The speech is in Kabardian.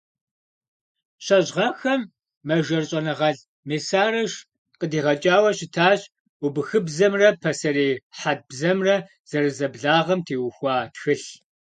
ЩэщӀ гъэхэм мэжэр щӀэныгъэлӀ Мессарош къыдигъэкӀауэ щытащ убыхыбзэмрэ пасэрей хьэт бзэмрэ зэрызэблагъэм теухуа тхылъ.